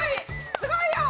すごいよ！